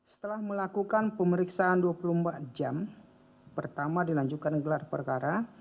setelah melakukan pemeriksaan dua puluh empat jam pertama dilanjutkan gelar perkara